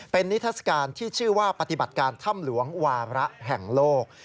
เป็นนิทัศกาลที่ชื่อว่าปฏิบัติการถ้ำหลวงวาระแห่งโลก